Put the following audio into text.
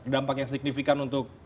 dampak yang signifikan untuk